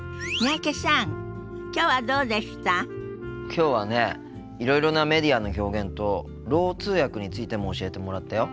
きょうはねいろいろなメディアの表現とろう通訳についても教えてもらったよ。